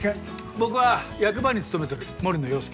僕は役場に勤めとる森野洋輔。